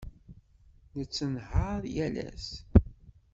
Nettenhaṛ yal ass.